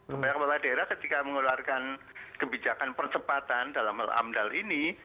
supaya kepala daerah ketika mengeluarkan kebijakan percepatan dalam hal amdal ini